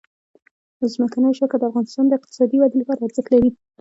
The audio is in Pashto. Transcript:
ځمکنی شکل د افغانستان د اقتصادي ودې لپاره ارزښت لري.